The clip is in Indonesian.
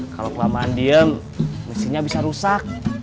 kalau kelamaan diem mesinnya bisa rusak